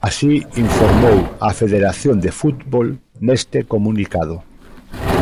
Así informou a Federación de Fútbol neste comunicado.